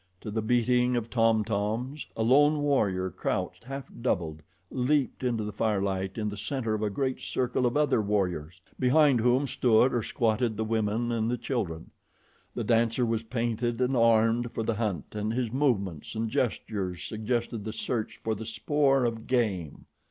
To the beating of tom toms, a lone warrior, crouched half doubled, leaped into the firelight in the center of a great circle of other warriors, behind whom stood or squatted the women and the children. The dancer was painted and armed for the hunt and his movements and gestures suggested the search for the spoor of game.